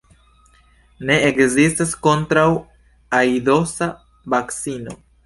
Ne ekzistas kontraŭ-aidosa vakcino.